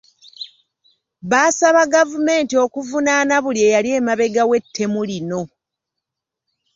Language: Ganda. Baasaba gavumenti okuvunaana buli eyali emabega w’ettemu lino.